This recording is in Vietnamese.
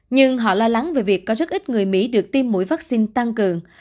nhưng họ lo lắng về việc có rất ít người mỹ được tiêm mũi vaccine tăng cường